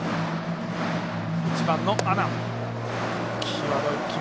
１番、阿南。